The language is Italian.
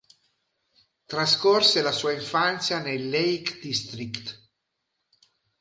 Trascorse la sua infanzia nel Lake District.